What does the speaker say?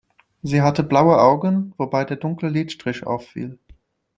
Sie hatte blaue Augen, wobei der dunkle Lidstrich auffiel.